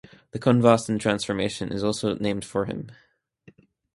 The Cohn-Vossen transformation is also named for him.